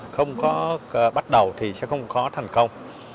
không có bắt đầu thì sẽ không có thành công